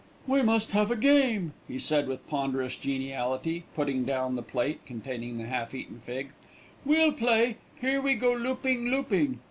"We must have a game," he said with ponderous geniality, putting down the plate containing the half eaten fig. "We'll play 'Here We Go Looping, Looping.'"